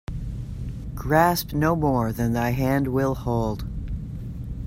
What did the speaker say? Grasp no more than thy hand will hold.